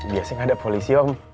biasanya ada polisi om